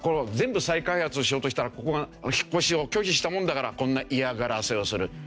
全部再開発しようとしたらここが引っ越しを拒否したもんだからこんな嫌がらせをする。